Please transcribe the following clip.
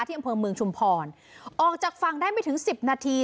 อำเภอเมืองชุมพรออกจากฝั่งได้ไม่ถึงสิบนาที